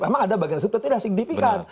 emang ada bagian eksekutif yang tidak signifikan